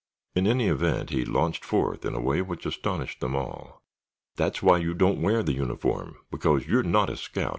In any event, he launched forth in a way which astonished them all. "That's why you don't wear the uniform—because you're not a scout!"